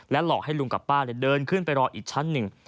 หลอกให้ลุงกับป้าเดินขึ้นไปรออีกชั้นหนึ่ง